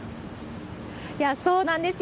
そうなんですよ。